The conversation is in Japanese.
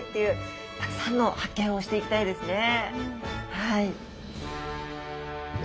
はい。